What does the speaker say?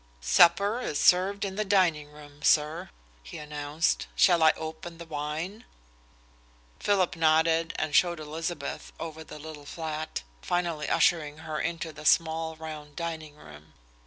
"Supper is served in the dining room, sir," he announced. "Shall I open the wine?" Philip nodded and showed Elizabeth over the little flat, finally ushering her into the small, round dining room.